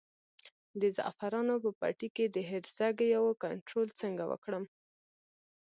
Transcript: د زعفرانو په پټي کې د هرزه ګیاوو کنټرول څنګه وکړم؟